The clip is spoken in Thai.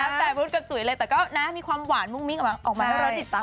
แล้วแต่รุ๊ดกับจุ๋ยเลยแต่ก็นะมีความหวานมุ้งมิ้งออกมาให้เราติดตาม